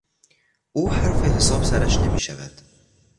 او حرف حساب سرش نمیشود.